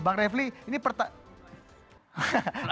bang refli ini pertanyaan